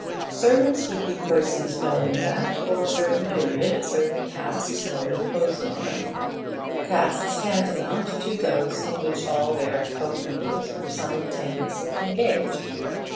Servants would be persons knowing that for a certain period certain tasks were imposed on them, tasks tantamount to those in which all their coevals were simultaneously engaged.